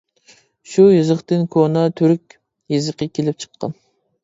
شۇ يېزىقتىن كونا تۈرك يېزىقى كېلىپ چىققان.